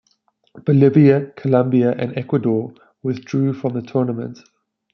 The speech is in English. Bolivia, Colombia, and Ecuador withdrew from the tournament.